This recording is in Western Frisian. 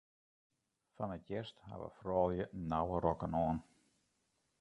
Fan 't hjerst hawwe froulju nauwe rokken oan.